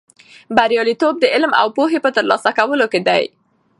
بریالیتوب د علم او پوهې په ترلاسه کولو کې دی.